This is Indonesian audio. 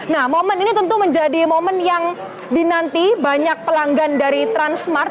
nah momen ini tentu menjadi momen yang dinanti banyak pelanggan dari transmart